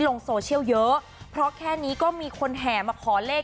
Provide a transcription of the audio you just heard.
ลงโซเชียลเยอะเพราะแค่นี้ก็มีคนแห่มาขอเลข